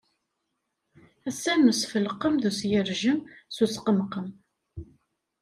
Ass-a n usfelqem d usgerjem, s usqemqem.